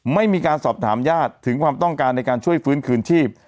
ไม่มีการสอบถามญาติถึงความต้องการในการช่วยฟื้นคืนชีพ